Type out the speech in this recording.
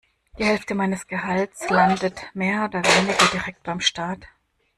Die Hälfte meines Gehalts landet mehr oder weniger direkt beim Staat.